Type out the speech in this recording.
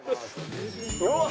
うわっ！